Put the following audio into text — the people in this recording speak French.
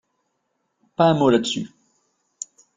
Pas un mot là-dessus.